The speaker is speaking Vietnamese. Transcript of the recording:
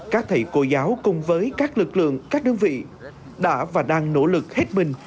các thầy cô giáo cùng với các lực lượng các đơn vị đã và đang nỗ lực hết mình